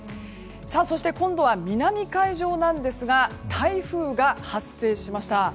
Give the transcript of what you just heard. そして今度は南海上なんですが台風が発生しました。